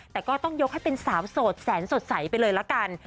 แต่ก็ต้องยกให้เป็นสาวโสดแสนสดใสไปเลยละกัน